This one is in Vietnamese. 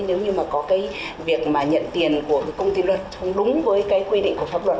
nếu như mà có cái việc mà nhận tiền của công ty luật không đúng với cái quy định của pháp luật